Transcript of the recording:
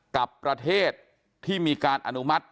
กับประเทศที่มีการอนุมัติ